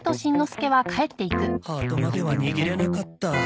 ハートまでは握れなかった。